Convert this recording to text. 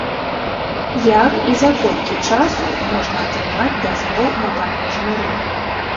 Як і за колькі часу можна атрымаць дазвол на памежны рух?